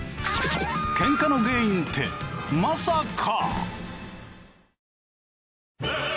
ケンカの原因ってまさか。